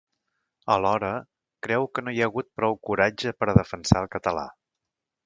Alhora, creu que no hi ha hagut prou coratge per a defensar el català.